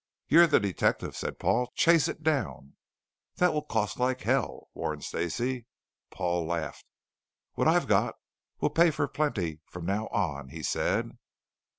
"You're the detective," said Paul. "Chase it down." "This will cost like hell," warned Stacey. Paul laughed. "What I've got will pay for plenty from now on," he said.